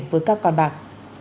với các quan bạc